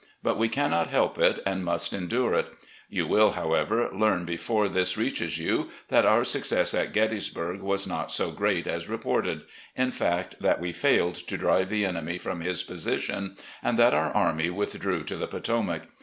But we cannot help it, and must endure it. You will, however, learn before this reaches you that our success at Gettysburg was not so great as reported — ^in fact, that we failed to drive the enemy from his position, and that our army withdrew to the Potomac.